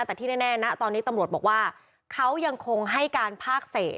แต่ที่แน่นะตอนนี้ตำรวจบอกว่าเขายังคงให้การภาคเศษ